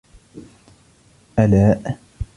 ألاء